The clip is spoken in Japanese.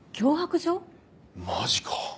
マジか。